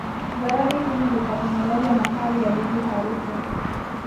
Zawadi hizi zitatengeneza mahari ya bibi harusi